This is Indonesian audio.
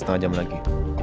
setengah jam lagi